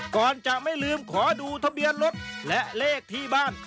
ก่อนจะไม่ลืมขอดูทะเบียนรถและเลขที่บ้าน